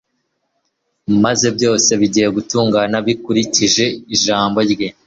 maze byose bigatungana bikurikije ijambo rye